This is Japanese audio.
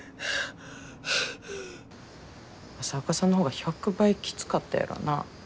朝岡さんの方が１００倍きつかったやろな。